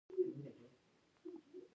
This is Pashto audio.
لا یې هم له ګمبدو د اذان غږ پورته کېږي.